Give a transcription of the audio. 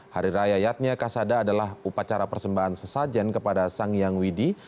hari raya yatnya kasada adalah upacara persembahan sesajen kepada sang yangwidi